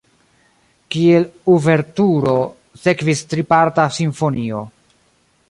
Kiel uverturo sekvis triparta simfonio.